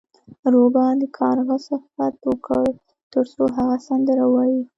روباه د کارغه صفت وکړ ترڅو هغه سندره ووایي.